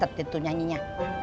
bantet tuh nyanyinya